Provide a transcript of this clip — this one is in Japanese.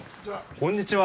こんにちは。